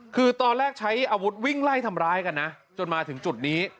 คือตอนแรกใช้อาวุธวิ่งไล่ทำร้ายกันนะจนมาถึงจุดนี้